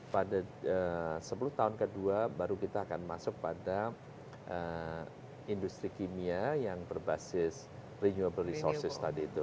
pada sepuluh tahun ke dua baru kita akan masuk pada industri kimia yang berbasis renewable resources tadi itu